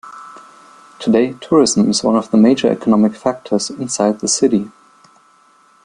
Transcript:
Today, tourism is one of the major economic factors inside the city.